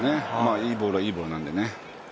いいボールはいいボールなんで。